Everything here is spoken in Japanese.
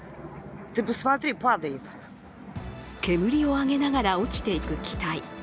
煙を上げながら落ちていく機体。